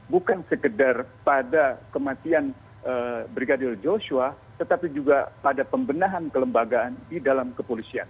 bukan sekedar pada kematian brigadir joshua tetapi juga pada pembenahan kelembagaan di dalam kepolisian